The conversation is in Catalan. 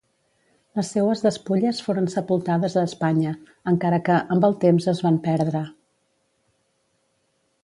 Les seues despulles foren sepultades a Espanya, encara que, amb el temps es van perdre.